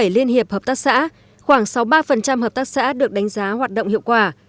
một trăm ba mươi bảy liên hiệp hợp tác xã khoảng sáu mươi ba hợp tác xã được đánh giá hoạt động hiệu quả